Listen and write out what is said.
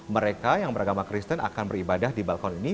mereka yang beragama kristen akan beribadah di balkon ini